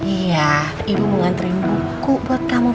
iya ibu mengantrin buku buat kamu